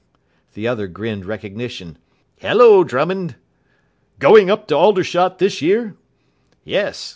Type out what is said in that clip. The other grinned recognition. "Hullo, Drummond." "Going up to Aldershot this year?" "Yes.